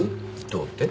どうって？